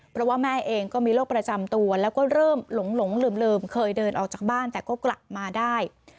เพราะว่าแม่เองก็มีโรคประจำตัวแล้วก็เริ่มหลงลืมเคยเดินออกจากบ้านแต่ก็กลับมาได้